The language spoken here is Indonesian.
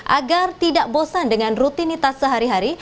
agar tidak bosan dengan rutinitas sehari hari